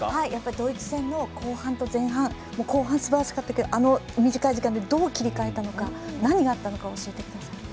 ドイツ戦の後半と前半後半すばらしかったけどあの短い時間で、どう切り替えたのか、何があったのか教えてください。